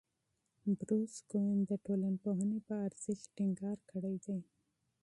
بروس کوئن د ټولنپوهنې په ارزښت ټینګار کړی دی.